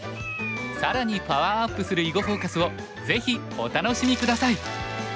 更にパワーアップする「囲碁フォーカス」をぜひお楽しみ下さい。